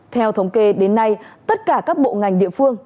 theo thống kê đến nay tất cả các bộ ngành địa phương